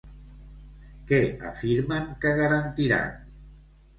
Què afirmen que garantiran?